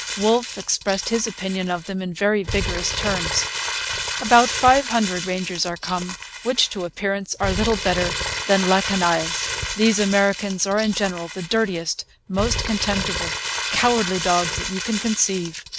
Wolfe expressed his opinion of them in very vigorous terms: 'About 500 Rangers are come, which, to appearance, are little better than la canaille. These Americans are in general the dirtiest, most contemptible, cowardly dogs that you can conceive.